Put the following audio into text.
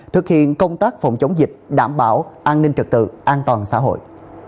thực hiện công tác phòng chống dịch đảm bảo an ninh trật tự an toàn xã hội